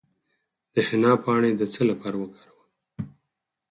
د حنا پاڼې د څه لپاره وکاروم؟